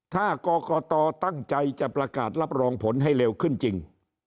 ถ้ากรกตตั้งใจจะประกาศรับรองผลให้เร็วขึ้นจริง